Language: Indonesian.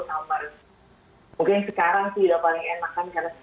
nggak terlalu panas